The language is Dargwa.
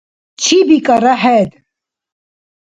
Чи бикӀара хӀед?